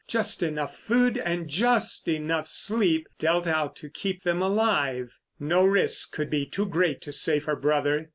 Just enough food and just enough sleep dealt out to keep them alive. No risk could be too great to save her brother.